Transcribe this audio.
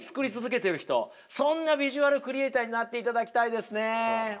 そんなビジュアルクリエイターになっていただきたいですね。